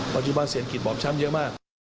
ปัจจุบันเศรษฐ์กิจบอบช้ำเยอะมาก